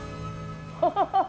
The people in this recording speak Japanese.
◆ハハハハ！